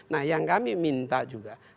nah yang kami minta juga